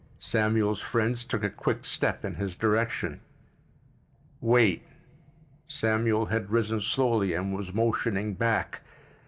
Samuel's friends took a quick step in his direction. "Wait!" Samuel had risen slowly and was motioning back.